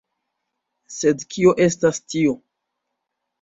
Sed kio estas tio?